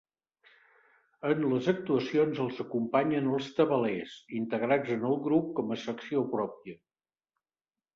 En les actuacions els acompanyen els tabalers, integrats en el grup com a secció pròpia.